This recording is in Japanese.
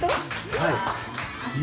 はい。